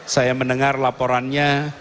saya mendengar laporannya